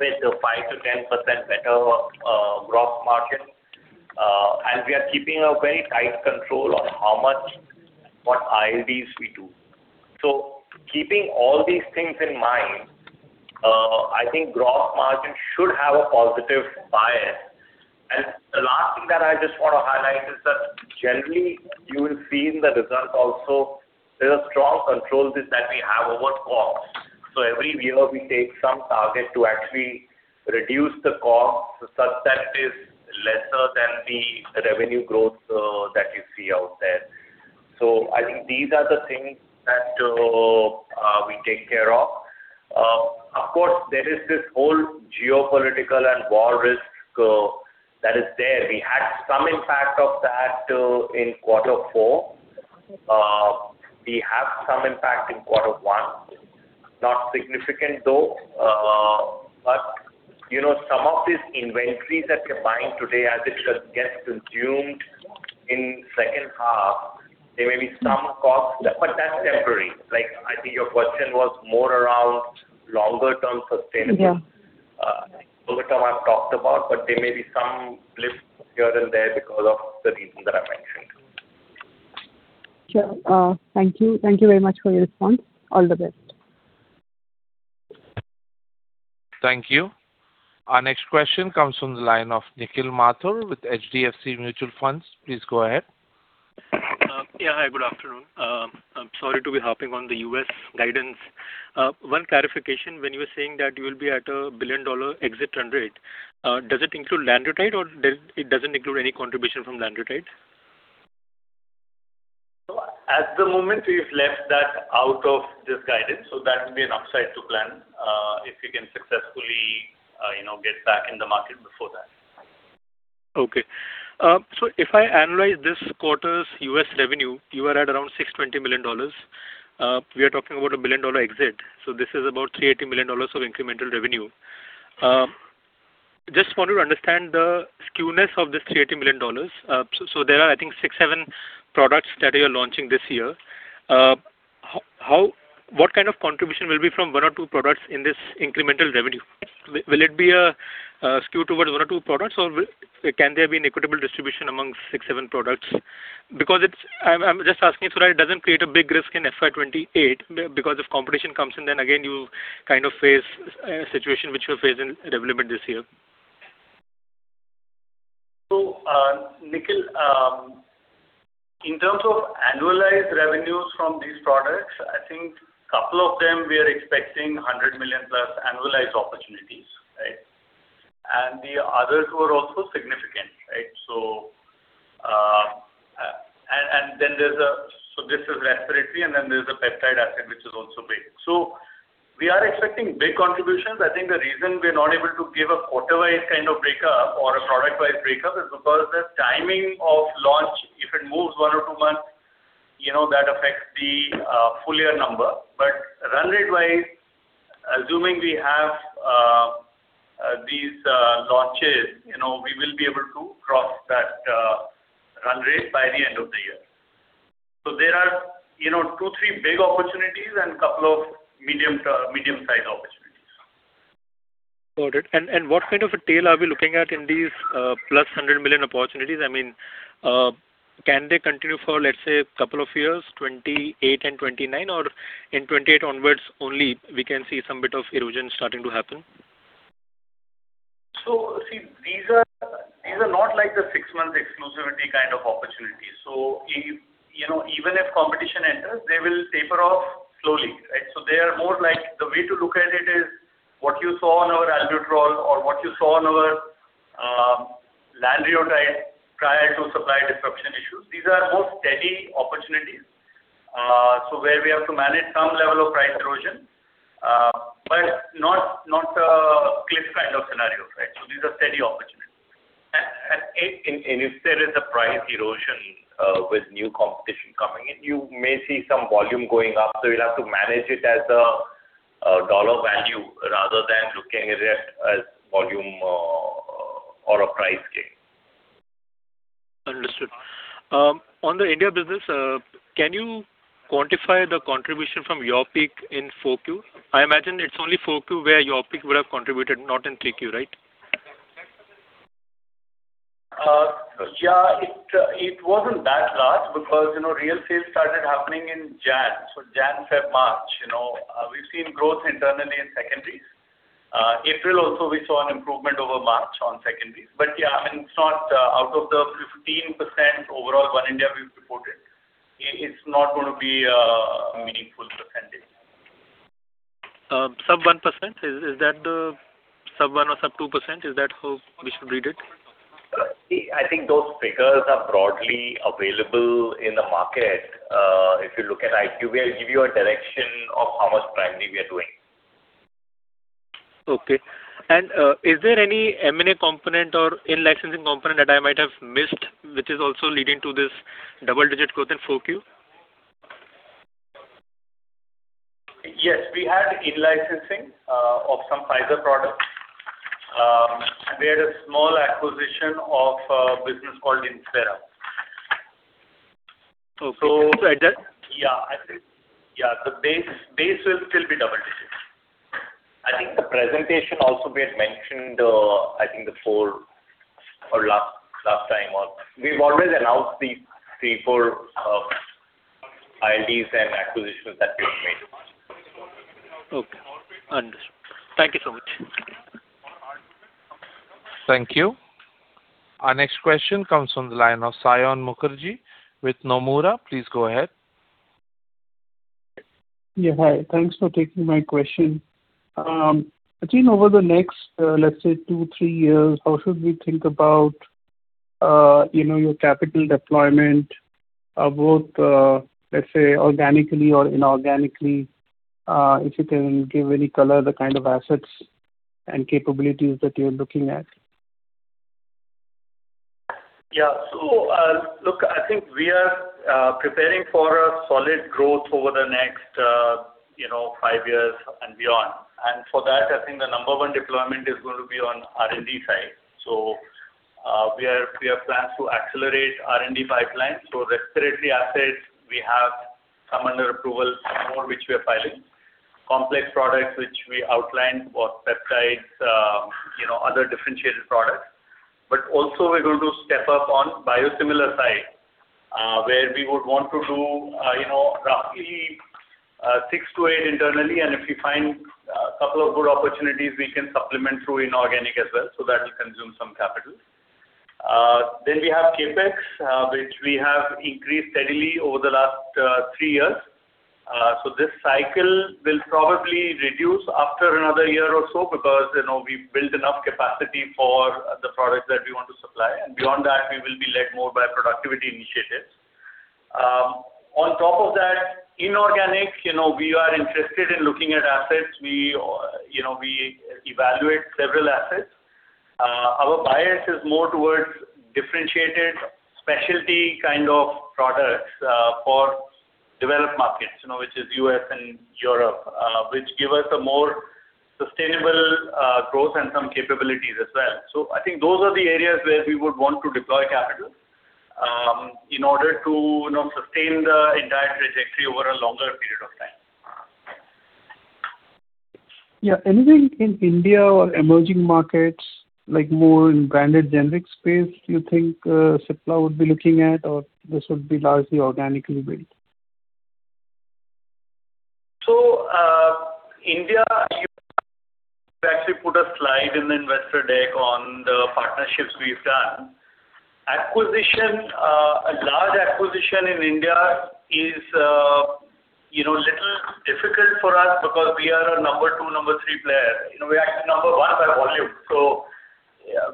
with a 5%-10% better gross margin. We are keeping a very tight control on how much, what IVs we do. Keeping all these things in mind, I think gross margin should have a positive bias. The last thing that I just want to highlight is that generally you will see in the results also there's a strong control that we have over costs. Every year we take some target to actually reduce the costs such that it's lesser than the revenue growth that you see out there. I think these are the things that we take care of. Of course, there is this whole geopolitical and war risk that is there. We had some impact of that in Q4. We have some impact in Q1. Not significant though. You know, some of these inventories that you're buying today, as it gets consumed in second half, there may be some costs, but that's temporary. Like, I think your question was more around longer-term sustainability. Yeah. Longer term I've talked about, but there may be some blips here and there because of the reasons that I mentioned. Sure. Thank you. Thank you very much for your response. All the best. Thank you. Our next question comes from the line of Nikhil Mathur with HDFC Mutual Fund. Please go ahead. Yeah. Hi, good afternoon. I'm sorry to be harping on the U.S. guidance. One clarification. When you were saying that you'll be at a billion-dollar exit run rate, does it include lenalidomide or does it doesn't include any contribution from lenalidomide? At the moment, we've left that out of this guidance, so that will be an upside to plan, if we can successfully, you know, get back in the market before that. Okay. If I analyze this quarter's U.S. revenue, you are at around $620 million. We are talking about a billion-dollar exit, this is about $380 million of incremental revenue. Just wanted to understand the skewness of this $380 million. There are, I think six, seven products that you're launching this year. What kind of contribution will be from one or two products in this incremental revenue? Will it be a skew towards one or two products or can there be an equitable distribution among six, seven products? I'm just asking so that it doesn't create a big risk in FY 2028 because if competition comes in, then again you kind of face a situation which you faced in REVLIMID this year. Nikhil, in terms of annualized revenues from these products, I think couple of them we are expecting 100 million plus annualized opportunities. The others were also significant. This is respiratory, there's a peptide asset which is also big. We are expecting big contributions. I think the reason we are not able to give a quarter-wise kind of breakup or a product-wise breakup is because the timing of launch, if it moves 1 or 2 months, you know, that affects the full year number. Run rate-wise, assuming we have these launches, you know, we will be able to cross that run rate by the end of the year. There are, you know, 2, 3 big opportunities and couple of medium-sized opportunities. Got it. What kind of a tail are we looking at in these plus 100 million opportunities? I mean, can they continue for, let's say, two years, 2028-2029, or in 2028 onwards only we can see some bit of erosion starting to happen? See, these are not like the six-month exclusivity kind of opportunities. You know, even if competition enters, they will taper off slowly, right? They are more like The way to look at it is what you saw on our albuterol or what you saw on our lanreotide prior to supply disruption issues. These are more steady opportunities, so where we have to manage some level of price erosion, but not a cliff kind of scenario, right? These are steady opportunities. If there is a price erosion, with new competition coming in, you may see some volume going up. You'll have to manage it as a dollar value rather than looking at it as volume or a price gain. Understood. On the India business, can you quantify the contribution from Yurpeak in four Q? I imagine it's only four Q where Yurpeak would have contributed, not in three Q, right? Yeah, it wasn't that large because, you know, real sales started happening in January. January, February, March, you know, we've seen growth internally in secondaries. April also we saw an improvement over March on secondaries. Yeah, I mean, it's not out of the 15% overall One India we've reported, it's not gonna be a meaningful percentage. sub 1%, is that the Sub 1% or sub 2%, is that how we should read it? I think those figures are broadly available in the market. If you look at IQVIA, I'll give you a direction of how much primary we are doing. Okay. Is there any M&A component or in-licensing component that I might have missed, which is also leading to this double-digit growth in 4Q? Yes, we had in-licensing of some Pfizer products. We had a small acquisition of a business called Inspera. Okay. It's like that? The base will still be double digits. I think the presentation also we had mentioned, We've always announced the 3, 4 ILDs and acquisitions that we have made. Okay. Understood. Thank you so much. Thank you. Our next question comes from the line of Saion Mukherjee with Nomura. Please go ahead. Yeah hi. Thanks for taking my question. Achin, over the next, let's say 2, 3 years, how should we think about, you know, your capital deployment, both, let's say organically or inorganically? If you can give any color, the kind of assets and capabilities that you're looking at. Yeah. Look, I think we are preparing for a solid growth over the next five years and beyond. For that, I think the number 1 deployment is going to be on R&D side. We have plans to accelerate R&D pipeline. Respiratory assets, we have some under approval, some more which we are filing. Complex products which we outlined was peptides, other differentiated products. Also we're going to step up on biosimilar side, where we would want to do roughly 6 to 8 internally. If we find a couple of good opportunities, we can supplement through inorganic as well, so that will consume some capital. We have CapEx, which we have increased steadily over the last three years. This cycle will probably reduce after another year or so because, you know, we've built enough capacity for the products that we want to supply. Beyond that, we will be led more by productivity initiatives. On top of that, inorganic, you know, we are interested in looking at assets. We, you know, we evaluate several assets. Our bias is more towards differentiated specialty kind of products for developed markets, you know, which is U.S. and Europe, which give us a more sustainable growth and some capabilities as well. I think those are the areas where we would want to deploy capital in order to, you know, sustain the entire trajectory over a longer period of time. Yeah. Anything in India or emerging markets, like more in branded generic space, do you think Cipla would be looking at or this would be largely organically built? India, you actually put a slide in the investor deck on the partnerships we've done. Acquisition, a large acquisition in India is, you know, little difficult for us because we are a number two, number three player. You know, we're actually number one by volume.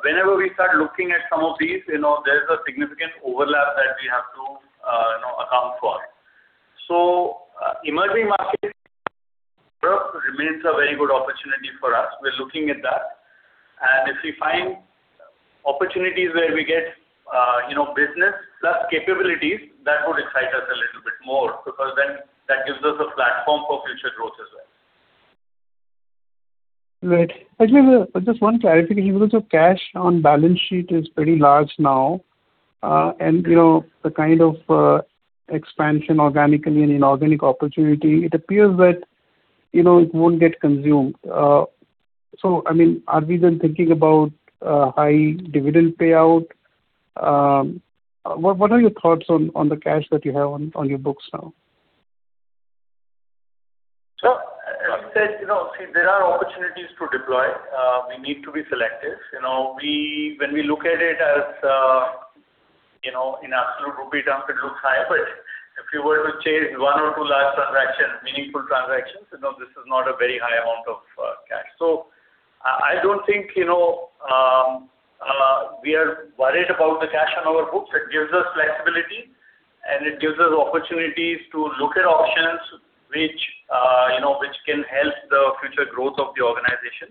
Whenever we start looking at some of these, you know, there's a significant overlap that we have to, you know, account for. Emerging markets remains a very good opportunity for us. We're looking at that. If we find opportunities where we get, you know, business plus capabilities, that would excite us a little bit more because then that gives us a platform for future growth as well. Right. Actually, just one clarification, because your cash on balance sheet is pretty large now, and you know, the kind of expansion organically and inorganic opportunity, it appears that, you know, it won't get consumed. I mean, are we then thinking about high dividend payout? What, what are your thoughts on the cash that you have on your books now? As I said, you know, see, there are opportunities to deploy. We need to be selective. You know, when we look at it as, you know, in absolute rupee term, it looks high, but if you were to change 1 or 2 large transactions, meaningful transactions, you know, this is not a very high amount of cash. I don't think, you know, we are worried about the cash on our books. It gives us flexibility, and it gives us opportunities to look at options which, you know, which can help the future growth of the organization.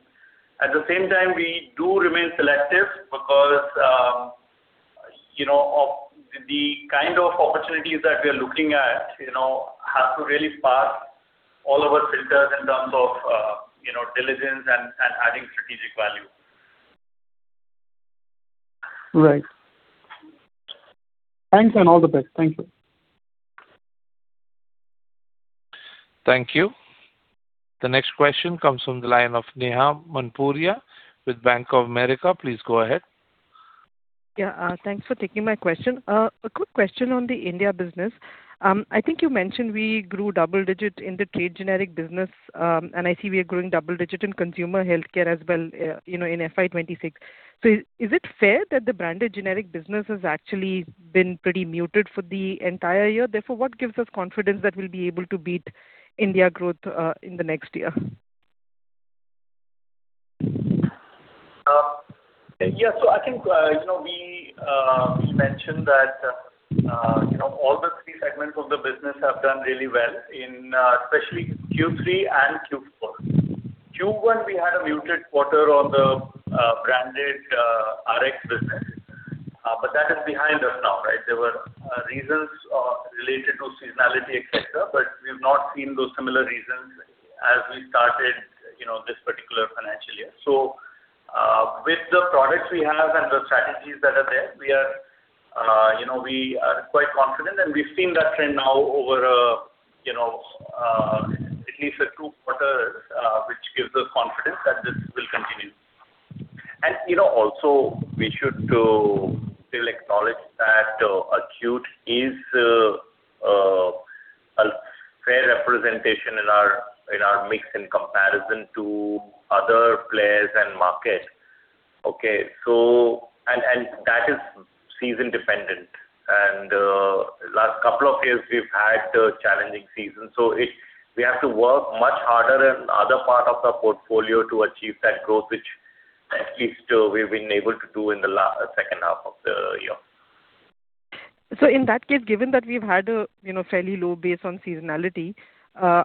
At the same time, we do remain selective because, you know, of the kind of opportunities that we are looking at, you know, have to really pass all of our filters in terms of, you know, diligence and adding strategic value. Right. Thanks and all the best. Thank you. Thank you. The next question comes from the line of Neha Manpuria with Bank of America. Please go ahead. Yeah. Thanks for taking my question. A quick question on the India business. I think you mentioned we grew double-digit in the trade generic business, and I see we are growing double-digit in consumer healthcare as well in FY 2026. Is it fair that the branded generic business has actually been pretty muted for the entire year? What gives us confidence that we'll be able to beat India growth in the next year? Yeah. I think, you know, we mentioned that, you know, all the three segments of the business have done really well in especially Q3 and Q4. Q1, we had a muted quarter on the branded RX business, but that is behind us now, right? There were reasons related to seasonality, et cetera, but we've not seen those similar reasons as we started, you know, this particular financial year. With the products we have and the strategies that are there, we are, you know, we are quite confident, and we've seen that trend now over, you know, at least two quarters, which gives us confidence that this will continue. You know, also we should still acknowledge that acute is a fair representation in our mix in comparison to other players and market. Okay. That is season dependent. Last couple of years we've had a challenging season, so we have to work much harder in other part of our portfolio to achieve that growth, which at least we've been able to do in the second half of the year. In that case, given that we've had a, you know, fairly low base on seasonality,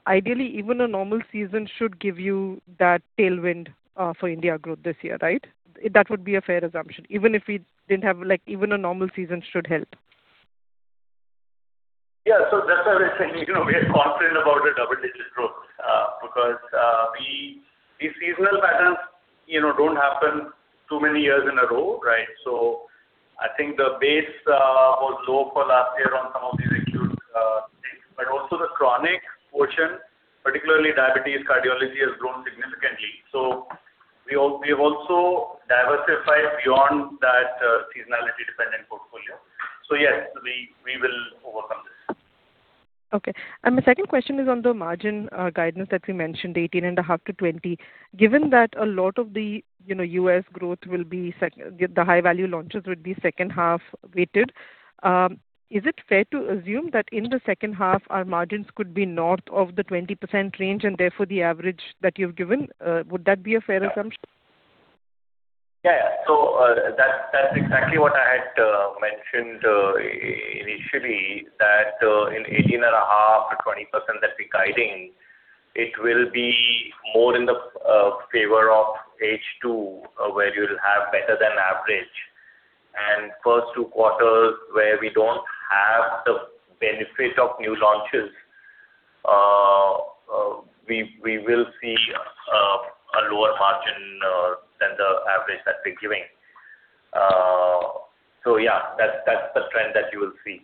ideally even a normal season should give you that tailwind for India growth this year, right? That would be a fair assumption. Even if we didn't have, like, even a normal season should help. That's why we're saying, you know, we are confident about a double-digit growth, because these seasonal patterns, you know, don't happen too many years in a row, right? I think the base was low for last year on some of these acute things. Also the chronic portion, particularly diabetes, cardiology, has grown significantly. We have also diversified beyond that seasonality dependent portfolio. Yes, we will overcome this. Okay. My second question is on the margin guidance that we mentioned, 18.5%-20%. Given that a lot of the, you know, U.S. growth will be the high value launches will be second half weighted, is it fair to assume that in the second half our margins could be north of the 20% range and therefore the average that you've given, would that be a fair assumption? Yeah. That's exactly what I had mentioned initially, that in 18.5%-20% that we're guiding, it will be more in the favor of H2, where you'll have better than average. First two quarters where we don't have the benefit of new launches, we will see a lower margin than the average that we're giving. Yeah, that's the trend that you will see.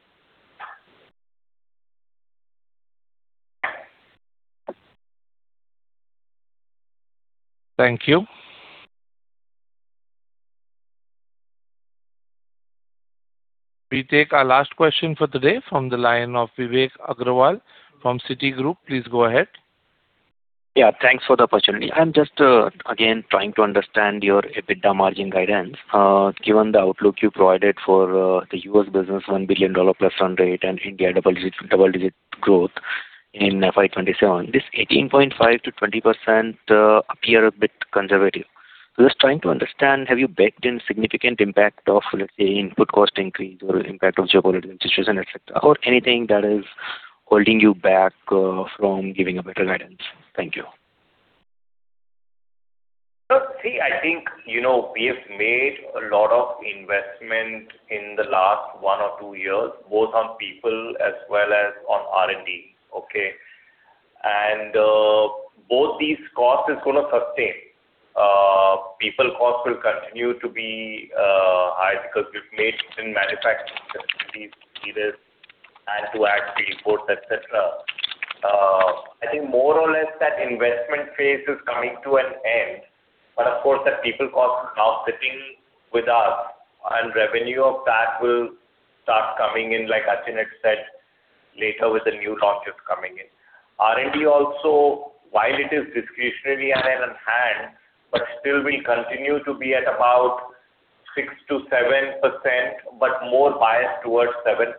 Thank you. We take our last question for today from the line of Vivek Agrawal from Citigroup. Please go ahead. Yeah, thanks for the opportunity. I'm just again trying to understand your EBITDA margin guidance. Given the outlook you provided for the U.S. business, $1 billion plus run rate and India double-digit, double-digit growth in FY 2027. This 18.5%-20% appear a bit conservative. Just trying to understand, have you baked in significant impact of, let's say, input cost increase or impact of geopolitical situation, et cetera, or anything that is holding you back from giving a better guidance? Thank you. See, I think, you know, we have made a lot of investment in the last 1 or 2 years, both on people as well as on R&D. Okay. Both these cost is going to sustain. People cost will continue to be high because we have made certain manufacturing facilities needed and to add free ports, et cetera. I think more or less that investment phase is coming to an end. Of course, the people cost is now sitting with us and revenue of that will start coming in, like Achin had said, later with the new launches coming in. R&D also, while it is discretionary on hand, but still will continue to be at about 6%-7%, but more biased towards 7%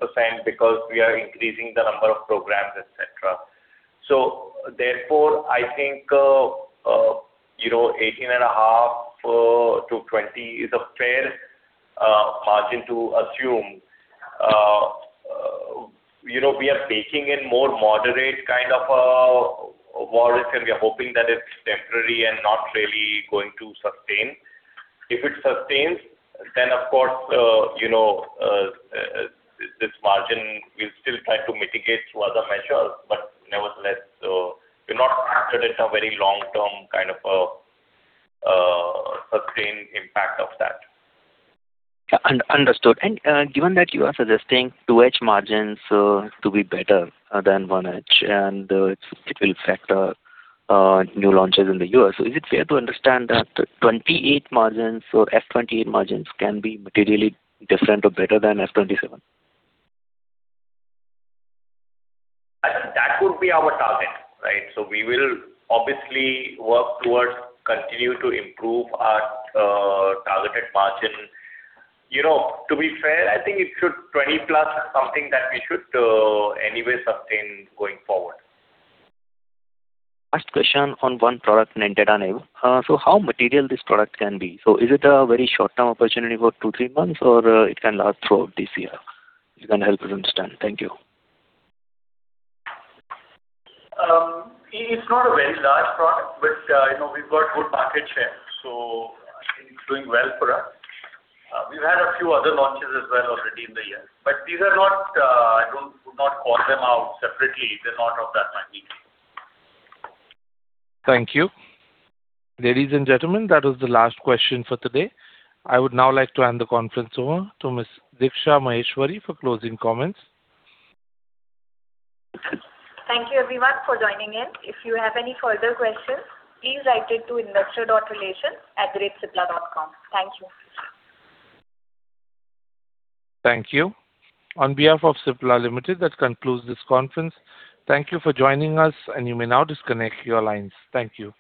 because we are increasing the number of programs, et cetera. I think, you know, 18.5%-20% is a fair margin to assume. You know, we are baking in more moderate kind of worries, and we are hoping that it's temporary and not really going to sustain. If it sustains, of course, you know, this margin will still try to mitigate through other measures. Nevertheless, we're not factoring in a very long-term kind of a sustained impact of that. Given that you are suggesting 2H margins to be better than 1H and it will factor new launches in the U.S. Is it fair to understand that 2H margins or FY 2028 margins can be materially different or better than FY 2027? That would be our target, right? We will obviously work towards continue to improve our targeted margin. You know, to be fair, I think it should 20 plus is something that we should anyway sustain going forward. Last question on one product named Dettol AL. How material this product can be? Is it a very short-term opportunity for 2, 3 months, or it can last throughout this year? If you can help us understand. Thank you. It's not a very large product, but, you know, we've got good market share, so I think it's doing well for us. We've had a few other launches as well already in the year. These are not, I would not call them out separately. They're not of that magnitude. Thank you. Ladies and gentlemen, that was the last question for today. I would now like to hand the conference over to Ms. Diksha Maheshwari for closing comments. Thank you everyone for joining in. If you have any further questions, please write it to investor.relations@cipla.com. Thank you. Thank you. On behalf of Cipla Limited, that concludes this conference. Thank you for joining us, and you may now disconnect your lines. Thank you.